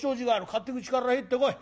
勝手口から入ってこい。